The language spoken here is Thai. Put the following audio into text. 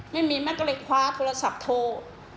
ไม่มีแม่ก็เลยคว้าโทรศัพท์โทร